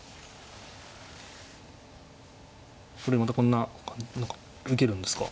これまたこんな何か受けるんですか？